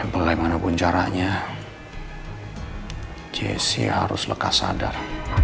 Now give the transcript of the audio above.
belai mana pun caranya jessy harus lekas sadar